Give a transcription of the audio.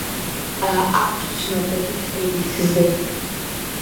აქვს ცნობები თბილისზე.